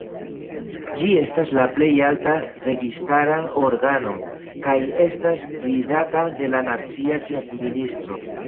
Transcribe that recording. Ĝi estas la plej alta registara organo, kaj estas gvidata de la nacia ĉefministro.